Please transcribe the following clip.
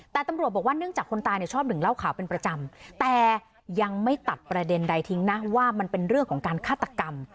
แต่ตำรวจบอกว่าเนื่องจากคนตายเนี่ยชอบดื่มเหล้าขาวเป็นประจำแต่ยังไม่ตัดประเด็นใดทิ้งนะว่ามันเป็นเรื่องของการฆาตกรรม